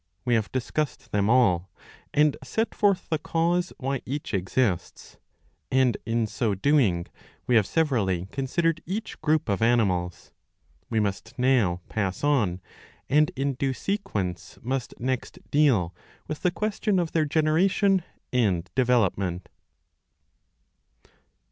We have discussed them all, and set forth the cause why each exists ; and in so doing we have severally considered each group of animals. We must now pass on, and in due sequence must next deal with the question of their generation and development.